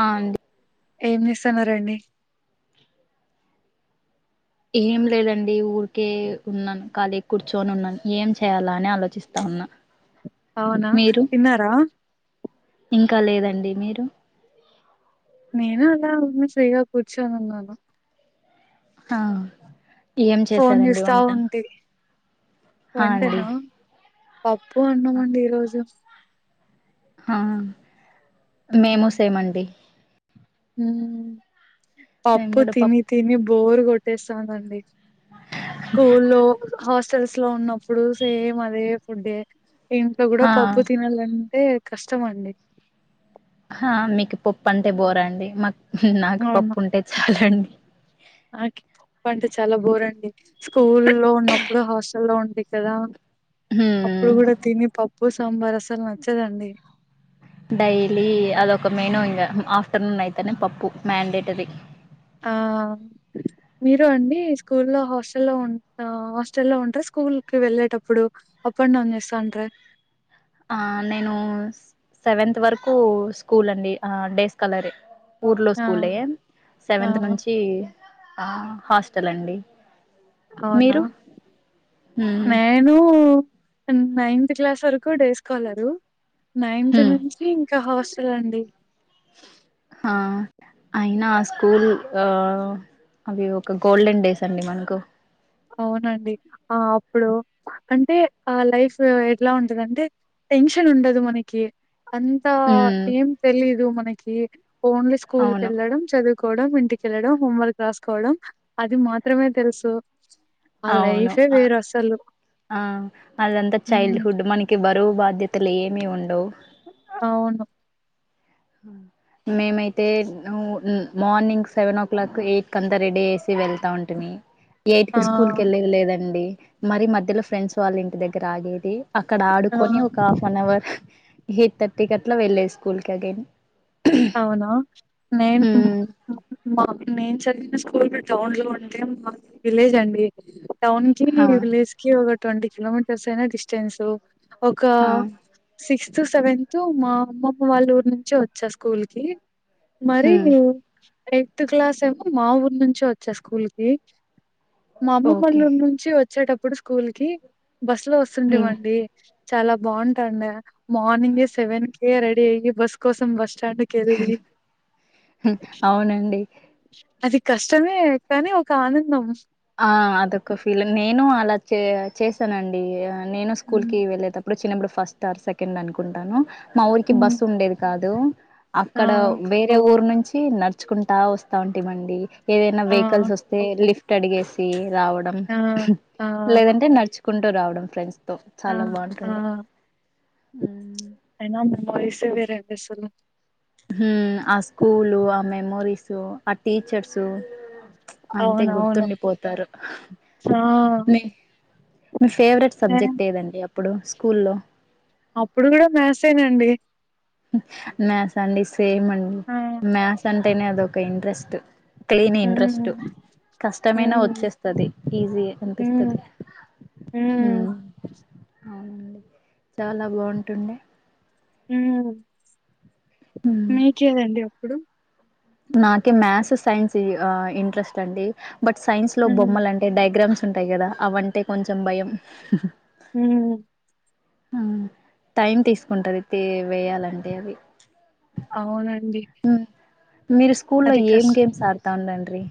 ఆ అండి ఏం చేస్తన్నారండి ఏం లేదండి ఊరికే ఉన్నాను ఖాళీ గా కూర్చొని ఉన్నాను ఏం చేయాలా అని ఆలోచిస్తా ఉన్నా అవునా మీరు తిన్నారా ఇంకా లేదండి మీరు నేను అలా ఉన్నా ఫ్రీగా కూర్చో నున్నాను ఆ ఏం ఫోన్ చేశారండి చూస్తా వంట ఉంటి ఆ అండి వంటనా. ప ప్పు అన్నమండి ఈ రోజు. ఆ మేము హ్మ్. సేమండి. హ్మ్ మేము పప్పు కూడా తిని తిని బోర్ కొట్టేస్తానండి. స్కూల్లో హాస్ హాస్టల్స్ లో ఉన్నప్పుడు సేమ్ అదే ఫుడ్డే. ఇంట్లో కూడ ఆ పప్పు తినాలంటే, కష్టమండి ఆ మీకు పప్పు అంటే బోరా అండి. మక్ నాకు పప్పు ఉంటే చాలండి. ఆ పప్పంటే చాలా బోరండి స్కూల్లో ఉన్నప్పుడు హాస్టల్లో ఉంటి కదా. హ్మ్. అప్పుడు కూడ తిని పప్ ప్పు సాంబారు అసలు నచ్చదండి. డైలీ అదొక మెనూ ఇంగ ఆఫ్ ఆఫ్టేర్నూన్ అయితానే పప్పు మ్యాండేటరీ ఆ మీరు అండీ స్కూల్లో హాస్టల్లో ఉంట హాస్టల్లో ఉంట్ర స్కూల్ కి వెళ్ళేటప్పుడు అప్ అండ్ డౌన్ చేస్తా ఉంట్రా? ఆ నేను సెవెంత్ వరకు స్కూల్ అండి ఆ డేస్ కలరే ఊర్లో ఆ! స్కూల్లే ఆ! సెవెంత్ నుంచీ ఆ హాస్టల్ అండి. అవునా మీరు హ్మ్ నేనూ నైన్త్ క్లాస్ వరకు డేస్ కలరు, నైన్త్ హ్మ్ నుంచి ఇం క హాస్టల్ అండి. ఆ అయినా ఆ స్కూల్ ఆ అవి ఒక గోల్డెన్ డేస్ అండి మనకు. అవునండి ఆ అప్పుడు అంటే ఆ లైఫ్ ఎట్లా ఉంటదంటే టెన్షన్ ఉండదు మనకి. అంతా హ్మ్ ఏం తెలియదు మ నకీ ఓన్లీ అవును స్కూల్కెళ్ళడం చదువు కోవడం, ఇంటికెళ్ళడం, హోంవర్క్ రాసుకోవడం, అది మాత్రమే తెలుసు. ఆ అవును లైఫే అ వేరసలు. ఆ అదంతా చైల్డ్ హ్మ్ హుడ్ మనకి బరువు బాధ్యతలు ఏమి ఉండవు. అవును హ మేమైతే no hmm morning seven o'clock eight కి అంతా రెడీ వేసి వెళ్తా ఉంటుంది ఎయిట్ ఆ కి స్కూల్ కి వెళ్ళ లేదండి మరి మధ్యలో ఫ్రెండ్స్ వాళ్ళ ఇంటి దగ్గర ఆగేది అక్కడ ఆ ఆడుకొని ఒక half an hour eight thirty కి అట్లా వెళ్లేది స్కూల్ కి అగైన్ అవునా నేను హ్మ్ మ్మ నేను చదివిన స్కూల్ టౌన్ లో ఉంటే మా విలేజ్ అండి టౌన్ కి హా విలేజ్ కి ఒక ట్వంటీ కిలోమీటర్స్ ఏనా డిస్టెన్సు ఒక హా సిక్స్ స్ సెవెంత్ మా అమ్మమ్మ వాళ్ళ ఊరు నుంచి వచ్చేసు కూల్ కి మరీ హ్మ్ ఎయిత్ క్లాస్ ఏమో మా ఊరు నుంచే వచ్చా స్కూల్ కి మా ఓకే అమ్మమ్మోల్లూరు నుంచి వ చ్చేటప్పుడు స్కూల్ కి బస్ లో హ్మ్ వస్తుంటిమండి చాలా బాగుంటాండ మార్నింగ్ ఎ సెవెన్ కే రెడీ అయ్యి బస్ కోసం బస్ స్టాండ్‌కెళ్ళి అవునండి అది కష్టమే కానీ ఒక ఆనందం ఆ అదొక ఫీలింగ్ నేనూ ఆ లా చే చేశానండి నేనూ స్కూల్ హ్మ్. కి వెళ్ళేటప్పుడు చిన్నప్పుడు ఫస్ తార్ సెకండ్ అనుకుంటాను మా ఊరికి హ్మ్. బస్ ఉండేది కాద్ దు ఆ! అక్కడ వేరే ఊరు నుంచి కి నడుచుకుంటా వస్తా ఉంటిమండి ఏదైనా ఆ! వెహికల్స్ వస్తే లిఫ్ టడిగేసి రావడం ఆ! ఆ! లేదంటే నడుచుకున్ టో రావడం ఫ్రెండ్స్ తో ఆ! చాలా ఆ! బావుంటుంది ఉమ్ బాయ్స్ వేరే‌ బస్సులు హ్మ్ ఆ స్కూలు ఆ మెమోరీసు ఆ టీచర్సు అంతే అవునవును. గుర్తుండిపోతారు ఆ! నీ మీ ఫేవరెట్ నే సబ్జెక్ట్ ఏదండి అప్పుడు కూల్ లో అప్పుడు కూడా మ్యాసేనండి నా సండిస్ పేమన్ ఆ! మ్యాసన్ టేనే అదొక ఇంట్రెస్ట్ తేని ఇంట్రస్ట్ హ్మ్. కష్టమైనా హ్మ్. వచ్చేస్తది ఈజీయే హ్మ్. అనిపిస్తది హ్మ్. ఉమ్ అవునండి చాలా బావుంటుండే ఊ ఉమ్ మీకేదండి అప్పుడు నాకే మ్యాథ్స్ సైన్స్ ఆ ఇంట్రెస్ట్ అండి బట్ సైన్స్ లో హ్మ్. బొమ్మలంటే డైగ్రామ్స్ తుంటాయి కదా అవంటే కొంచెం భయం హ్మ్. ఊ టైం తీసుకుంటది తే వేయాలంటే అవి అవునం దీ మీరు స్కూల్లో ఏం గేమ్స్ ఆడు తాందండ్రి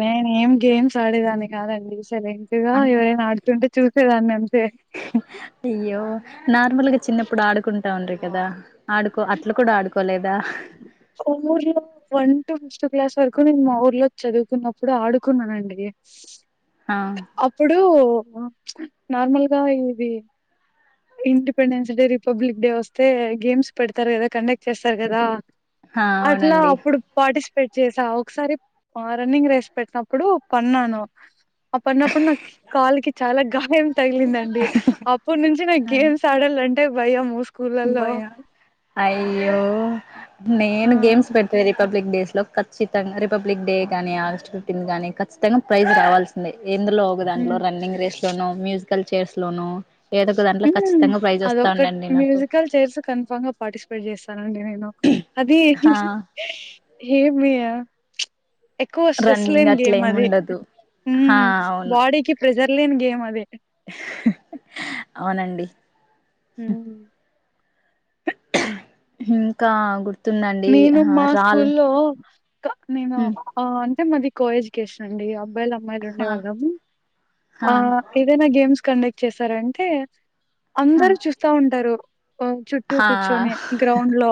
నేను ఏం గేమ్స్ ఆడేదాన్ని కాదండి సైలెంటుగా అన్ ఎవరైనా ఆడుతుంటే చూసేదాన్ని అన్ అయ్యో నార్మల్ గా చిన్నప్పుడు ఆడుకుంటాం ఉండ్రి కదా ఆడుకో అట్లా కూడా ఆడుకో పోలేదా ఊర్లో వన్ టు ఫిఫ్ట్త్ క్లాస్ వరకు నేను మా ఊర్లో చదువుకున్నప్పుడు ఆడుకున్నానండి ఆ అప్పుడూ ఉ ప్చ్ నార్మల్ గా ఇది ఇండిపెండెన్స్ డే రిపబ్లిక్ డే వస్తే గేమ్స్ పెడతారు కదా కండక్ట్ చేస్తారు కదా ఆ అట్లా అవునండి అప్పుడు పార్టిసిపేట్ చేసా ఒకసారి ఆ రన్నింగ్ రేస్ పెట్టినప్పుడు పన్నాను ఆ పడినప్పుడు నాకు కి కాలుకి చాలా గా యం తగిలిందండి అప్పటి నుంచి నాకు సడలంటే భయము ఉఫ్ కూలల్లో అయ్యో నేను గేమ్స్ పెట్టది రిపబ్లిక్ డేస్ లో ఖచ్చితంగా రిపబ్లిక్ డే కానీ ఆగస్ట్ ఫిఫ్న్ కానీ ఖచ్చితంగా ప్రైజ్ రావాల్సిందే ఎందులో ఒక దాంట్లో హ్మ్ రన్నింగ్ రేస్ లోనూ మ్యూజికల్ చేర్స్ లోనూ ఏదో ఒక దాంట్లో ఖచ్చితంగా ప్రైజ్ వస్తాంది అండి నాకు కల్ చేర్స్ కన్ఫర్మ్ గా పార్టిసిపేట్ చేస్తానండి అదీ ఆ ఏమియా జస్ట్ ఎక్కువ స్ట్రెస్ రన్నింగ్ లేని అట్లా గేమ్ ఏమి అది ఉండదు ఊ ఆ అవును బాడీకి ప్రెజర్ విలిన్ గేమ్ అదే అవునండి ఊ [unintelligible] ఉ నేను మా స్కూల్లో క నేను హ్మ్ ఆ అంటే మాది కో-ఎడ్యుకేషన్ అండి అ అబ్బాయిలు అమ్మాయిలు ఉండే హా వాళ్ళం హా ఆ ఏదైనా గేమ్స్ కండక్ట్ చేసారంటే హా అందరు చూస్తా ఉంటారు ఓ చుట్టూ హా కూర్చొని గ్రౌండ్ లో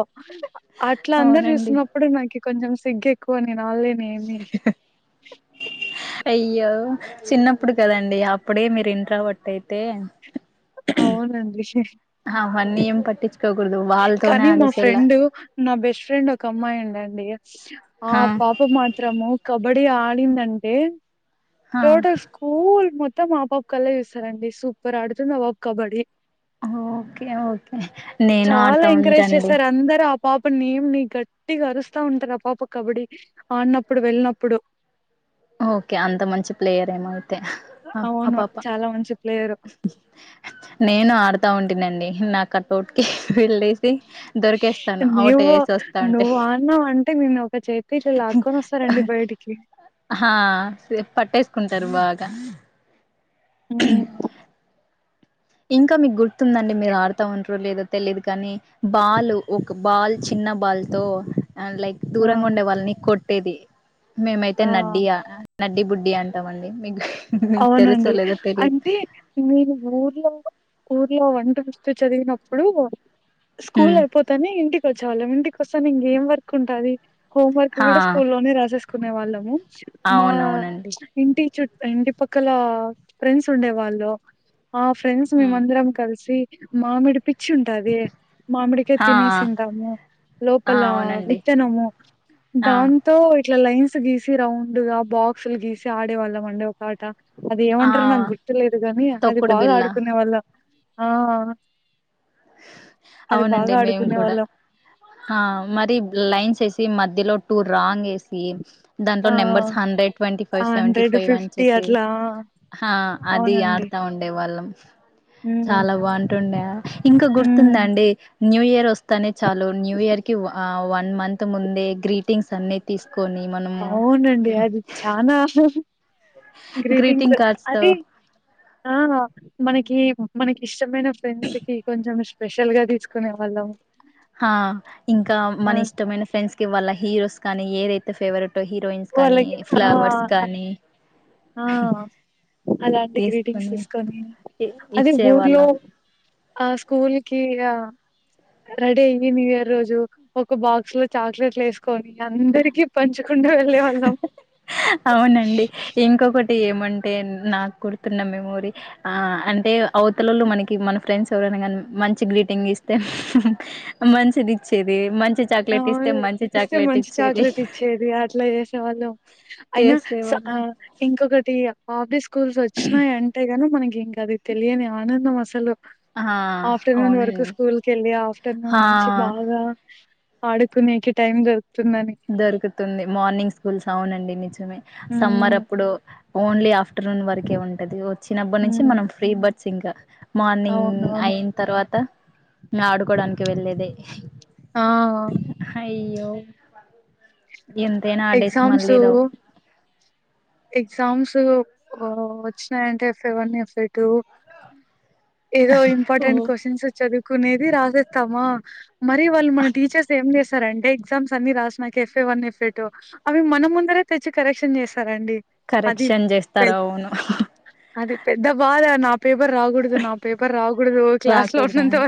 అట్లా అందరు అవునండి చూస్తున్నప్పుడు మా ఇ నకు కొంచెం సిగ్గేకువనే ర్యాలీ మేం ఏ తీసినం అయ్యో చిన్నప్పుడు కదండి అప్పుడే మీరు ఇంట్రోవర్ట్ అయితే అవునండి విశేష్ అవన్నీ ఏం పట్టించుకోకూడదు వాళ్ళతోనే కానీ మా ఆడేసేలా ఫ్రెండు నా బెస్ట్ ఫ్రెండ్ ఒక అమ్మాయి ఉందండ్ నేయర్ ఆ హా పాప మాత్రము క్ కబడ్డీ ఆడిందంటే హా టోటల్ స్కూల్ మొత్ అందరు మా పాప కెల్లే చూస్తారండి సూపర్ ఆడుతుంది ఆ పాప కబడ్డీ ఆ ఓకే ఓకే నేను చాలా ఆడుతా ఎంకరేజ్ ఉంటాండి చేశారు అందరు ఆ పాప్ అప్పుడు నేం నీ గట్టిగా అరుస్తా ఉంటారు, ఆ పాప కబడ్డీ ఆడినప్పుడు వెళ్ళినప్పుడు. ఆ ఓకే అంత మంచి ప్లేయర్ ఏమో అయిత్ తే అ అవును పాప, చాలా మంచి ప్లేయరు నేను ఆడుతా ఉంటినండి నా కటౌట్ కి బిల్డింస్ నువ్వు వస్తా ఉంటే నువ్వు ఆడాను అంటే నేను ఒక చేతి ఇలా లాక్కొని వస్తారండి బయటికి ఆ పట్టేసుకుంటారు బాగా హ్మ్మ్ ఇంకా మీకు గుర్తు స్తుందండి మీరు ఆడుత ఉంట దో లేదో తెలియదు కానీ బాల్ ఒక బాల్ చిన్న బాల్ తో అండ్ లైక్ ఆ దూరంగా ఉండే వాళ్ళని కొట్ తేది మేమైతే ఆ నడ్డియా నడ్డి బుడ్ డి అంటాం అండి మీకు మీకు తెలుసో అవునండి లేదో తెలీదు అంటే నేను ఊర్లో ఊర్లో వంట వస్తు, చదివినప్పుడు స్కూల్ హ్మ్ అయిపోతానే ఇంటిక్ చాలా మందికి వసంనేమ్ ఇంకేం వర్క్ ఉంటది హోంవర్క్ హా కూడా స్కూల్ లోనే రాసేసు కునే వాళ్ళము మా అవునవునండి ఇంటి చుట్ ఎండి పక్కల ఫ్రెండ్స్ ఉండే వాళ్ళు ఆ ఫ్రెండ్స్ హ్మ్ మేమందరం కలిసి మామిడుపి వచ్చి ఉంటంది మామిడికాయ ఆ తినేసి తంటాము ఆ లోపల అవునండి విత్తనము ఆ దాంతో ఇట్లా లైన్స్ గీసి రౌండ్ గా బాక్స్ లు గీసి ఆడేవాళ్ళం అండి ఆట అది ఆ ఏమంటారో నాకు గుర్తులేదు గాని అది తొక్కుడు బాగా బిళ్ళ ఆడుకునే వాళ్ళం ఆ అది అవునండి బాగా మేము ఆడుకునే కూడా వాళ్ళం ఆ మరి లైన్స్ వేసి మ్య లో టు రాంగేస్తే దాంట్లో ఆ numbers hundred twenty five seven hundred five fifty అచ్చేసి అట్లా అది అవునండి ఆడతా ఉండే వాళ్ళం సౌండ్ ఉమ్ చాలా బాగుంటుండ ఉమ్ గుర్తుందండి న్యూ ఇయర్ వస్తుంది తనే చాలు న్యూ ఇయర్ కి ఆ వన్ మంత్ ముందే గ్రీటింగ్స్ అన్ని తీస్త అవునండి అది చానా గ్రీటింగ్స్ గ్రీటింగ్ కార్డ్స్ తో అది ఆ మనకి మనకి ఇష్టమైన ఫ్రెండ్స్ కి కొంచం ఇష్టం స్పెషల్ గా తీసుకునే వాళ్ళం హ ఇంకా మన ఆ ఇష్టమైన ఫ్రెండ్స్ కి ఇవాళ హీరోస్ కానీ ఏ దైతే వాళ్ళకి ఆ కానీ ఆ అలాంటి గ్రీటింగ్స్ తీసుకొని ఇ- అదే ఊర్లో ఇచ్చేవాళ్ళం ఆ స్కూల్ కి ఆ రెడీ అయ్యి న్యూ ఇయర్ రోజు ఒక బాక్స్ లో చాక్లెట్లు వేసుకొని అందరికి పంచు కుండ వెళ్ళ వాళ్ళం అవునండి ఇంకొకటి ఏం అంటే నక్ గుర్తున్న మెమొరి ఆ అంటే అవతలొల్లు మనకి మన ఫ్రెండ్స్ ఎవరైనా గానీ మంచి గ్రీటింగ్ ఇస్తే మంచిదిచ్చేది ఆ చాక్లెట్ ఇస్తే మంచి ఇస్తే చాక్లెట్ మంచి ఇచ్చేది. చాక్లెట్ ఇచ్చేది అట్లా చేసేవాళ్ళం అయినా స చేసేవాళ్ళం. ఇంకొకటి ఆఫీస్ స్కూల్స్ వచ్చినాయి అంటే గానీ మనకి ఇంకా అది తెలియని ఆనందం అసలు ఆ! ఆఫ్టర్నూన్ వరకు అవునండి. స్కూల్కెళ్ళి ఆఫ్టర్నూన్ హా! నుంచి బాగా ఆడుకునేకి టైమ్ దొరకు దొరుకుతుంది మార్నింగ్ స్కూల్స్ అవునండి నిజమే హ్మ్. సమ్మరప్పుడు ఓన్లీ ఆఫ్టర్నూన్ వరకే ఉంటది చిన్నప్పటి నుంచి హ్మ్. మనం ఫ్రీ బడ్స్ ఇంకా మార్నింగ్ అవునవును. అయిన తర్వాత న ఆడుకోడానికి వెళ్ళేదే ఆ అయ్యొయ్యో ఎంతేనా ఆడేస్ మల్లిరావు ఎగ్జామ్స్ ఆ వచ్చినాయంటే సెవెన్ ఎఫ్ఏ టూ ఏదో ఇంపార్టెంట్ ఓ క్వశ్చన్స్ అచ్చేది కునేది రాసేస్తామా మరి వాళ్ళు మన టీచర్స్ ఏం చేస్తారంటే ఎగ్జామ్స్ అన్ని రాసిన ఎఫ్ఏ వన్, ఎఫ్ఏ టూ అవి మన ముందరే తెచ్చి కరెక్షన్ చేస్త కరెక్షన్ చేస్తారావును అది పెద్ద బాధ నా పేపర్ రాగుడదు నా రావు రాకూడద అని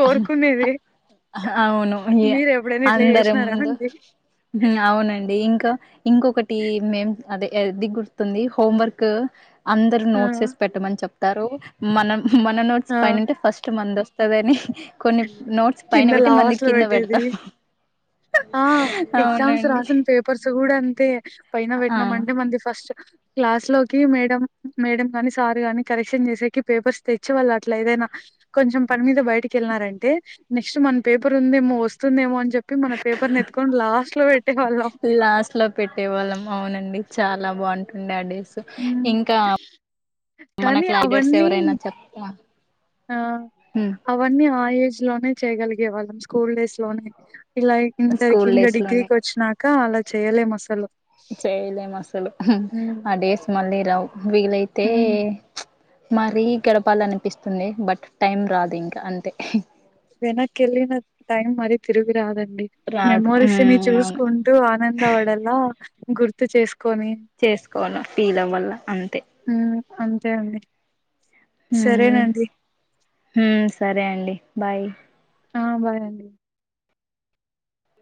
కోరుకునేది అవును మీరు ఎప్పుడైనా ఇట్లా అందర చేసినారా ముందు అండి అవునండి ఇంకా ఇంకొకటి మేం అదే ఏది గుర్తుంది హోం వర్క్ అందరు ఆ నోట్సేసి పెట్టమని చెప్ తారు మనం మన ఆ పైనంటే ఫస్ట్ మన దస్తు దదని కొన్ని నోట్స్ పైన కింద పెట్టి మంది లాస్ట్ లో కింద పెట్టేది పెడతాం. ఆ ఎగ్జామ్స్ రాసిన పేపర్స్ చూడంతే పైన పెట్నాం ఆ అంటే మంది ఫస్ట్ క్లాస్ లోకి మేడం మేడం గాని, సారు గాని కరెక్షన్ చేసేకి పేపర్స్ తెచ్చేవాళ్ళు. అట్లా ఏదైనా కొంచెం పని మీద బయటకి వెళ్ళినారంటే నెక్స్ట్ మన పేపర్ ఉందేమో వస్తుందేమో. అని చె పెట్టేవాళ్ళం [unintelligible] లాస్ట్ లో పెట్టే వాళ్ళం అవునండి చాలా బాగుంటు ఉండ అడి ఉమ్, ఇంకా మన కానీ క్లాడట్స్ అవన్నీ ఎవరైనా చెప్పా ఆ అవన్నీ ఆయ స్లోనె చేయగలిగే వాళ్ళం స్కూల్ డేస్ లోనే ఇలా ఇంటర్కి స్కూల్ ఇంకా డేస్ లోనే డిగ్రీకి వచ్చినాక కా అలా చేయ్యలేము అసలు చెయ్యలేము అసలు హ ఉమ్, ఆ డేస్ మళ్ళీ ద్దవు వీలైతే ఉమ్. చ్ మరీ గడపాల అనిపిస్తుంది బట్ టైం రాదు ఇంకా అంతే. వెనకెల్లిన టైం మరి తిరిగు రాదన్ రాదు మెమోరీస్ ని హ్మ్ అవును చూసుకుంటూ ఆనంద పడలా గుర్తు చేసు చేసుకోవాలి పీల వల్ల అంతే ఉమ్ అంతే అండి. మ్మ్ సరేనండి హూ సరే అండి బాయ్ ఆ బాయ్ అండి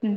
ఊ